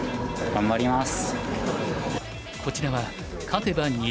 頑張ります。